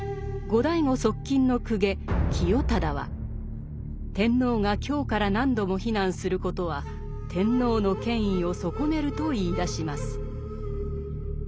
後醍醐側近の公家清忠は天皇が京から何度も避難することは天皇の権威を損ねると言いだします。